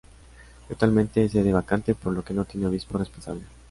Actualmente es sede vacante, por lo que no tiene obispo responsable.